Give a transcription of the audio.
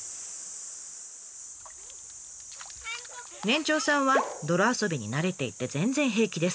年長さんは泥遊びに慣れていて全然平気です。